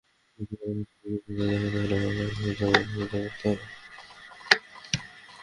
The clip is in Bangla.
সত্যিকারে ভাষার প্রতি শ্রদ্ধা দেখাতে হলে বাংলাকে এসব জায়গায় প্রতিষ্ঠিত করতে হবে।